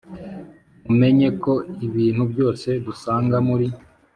mumenye ko ibintu byose dusanga muri